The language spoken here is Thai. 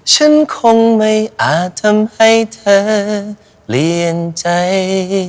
ฉันคงไม่อาจทำให้เธอเปลี่ยนใจ